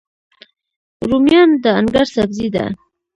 رومیان د انګړ سبزي ده